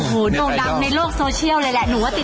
ผู้ชมครับน้องจ้างครับ